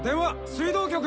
水道局！